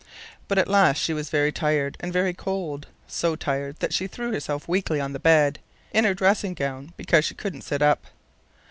But at last she was very tired and very cold, so tired that she threw herself weakly on the bed, in her dressing gown, because she couldn't sit up.